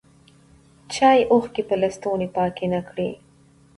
چایې اوښکي په لستوڼي پاکي نه کړې